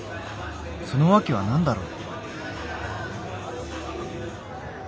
その訳は何だろう？